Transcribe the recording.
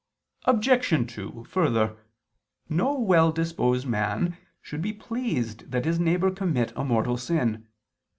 Obj. 2: Further, no well disposed man should be pleased that his neighbor commit a mortal sin.